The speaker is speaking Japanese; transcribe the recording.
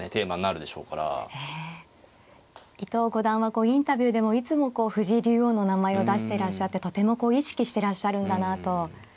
伊藤五段はインタビューでもいつもこう藤井竜王の名前を出していらっしゃってとてもこう意識していらっしゃるんだなと。